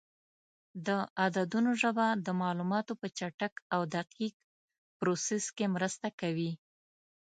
د عددونو ژبه د معلوماتو په چټک او دقیق پروسس کې مرسته کوي.